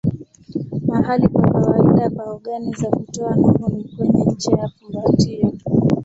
Mahali pa kawaida pa ogani za kutoa nuru ni kwenye ncha ya fumbatio.